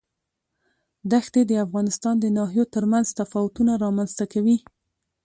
دښتې د افغانستان د ناحیو ترمنځ تفاوتونه رامنځ ته کوي.